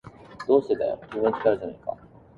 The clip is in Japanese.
どうしてだよ、君の力じゃないか